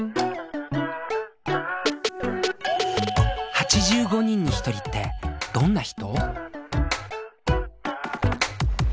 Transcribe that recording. ８５人に１人ってどんな人？